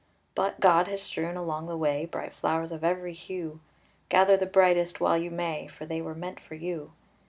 But God has strewn along the way Bright flowers of every hue. Gather the brightest while you may, For they were meant for you.